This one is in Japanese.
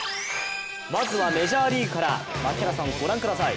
まずはメジャーリーグから槙原さん、ご覧ください。